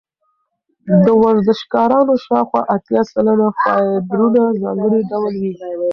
د ورزشکارانو شاوخوا اتیا سلنه فایبرونه ځانګړي ډول وي.